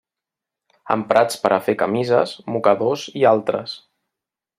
Emprats per a fer camises, mocadors i altres.